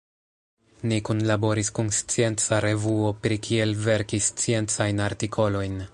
Ni kunlaboris kun scienca revuo pri kiel verki sciencajn artikolojn.